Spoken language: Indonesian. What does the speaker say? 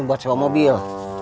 ini buat sewa mobil